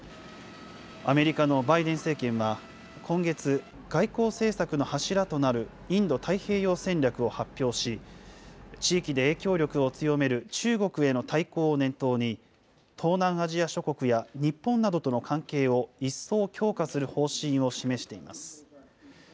アメリカのバイデン政権は、今月、外交政策の柱となるインド太平洋戦略を発表し、地域で影響力を強める中国への対抗を念頭に、東南アジア諸国や、日本などとの関係を一層強化する方針を示しています。